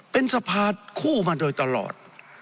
เป็นสภาคู่มาโดยตลอด